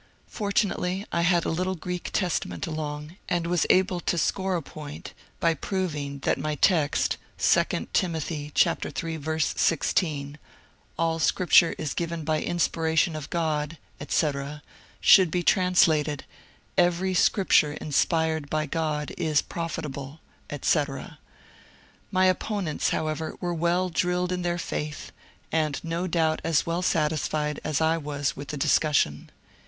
Fortunately I had a little Grreek Testament along, and was able to score a point by proving that my text, 2 Tim. iii, 16, ^^ All Scripture is given by inspiration of God," etc., should be translated " Every Scripture inspired by God is profitable," etc. My opponents, however, were well drilled in their faith, and no doubt as well satisfied as I was with the discussion.